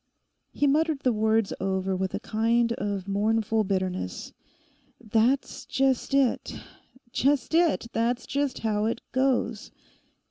He muttered the words over with a kind of mournful bitterness. 'That's just it—just it; that's just how it goes!